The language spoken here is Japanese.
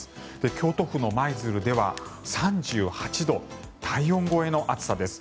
京都府の舞鶴では３８度体温超えの暑さです。